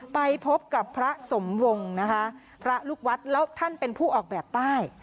ไปพบกับพระสมวงนะคะพระลูกวัดแล้วท่านเป็นผู้ออกแบบป้าย